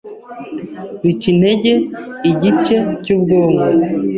bica intege igice cy’ubwonko